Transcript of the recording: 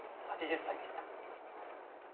８０歳でした。